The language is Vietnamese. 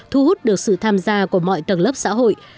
thu hút được sự tham gia của mọi tầng lớp xã hội